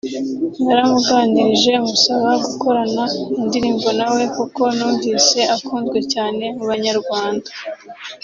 naramuganirije musaba gukorana indirimbo na we kuko numvise akunzwe cyane mu banyarwanda